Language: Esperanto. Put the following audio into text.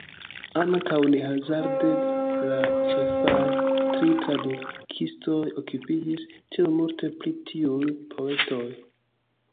Ankaŭ ne hazarde la ĉefaj tri tradukistoj okupiĝis tiom multe pri tiuj poetoj.